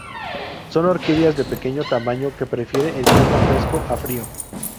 Son orquídeas de pequeño tamaño que prefiere el clima fresco a frío.